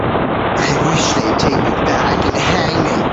I wish they'd take me back and hang me.